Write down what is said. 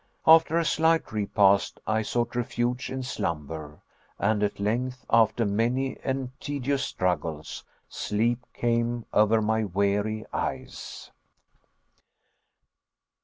After a slight repast, I sought refuge in slumber, and at length, after many and tedious struggles, sleep came over my weary eyes.